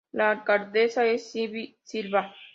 La alcaldesa es Cindy Silva.